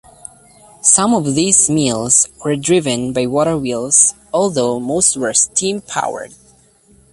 Some of these mills were driven by waterwheels, although most were steam powered.